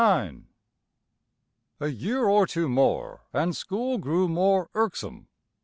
IX A year or two more, and school grew more irksome.